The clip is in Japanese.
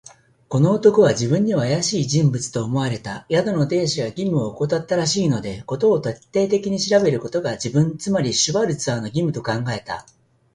この男は自分にはあやしい人物と思われた。宿の亭主が義務をおこたったらしいので、事を徹底的に調べることが、自分、つまりシュワルツァーの義務と考えた。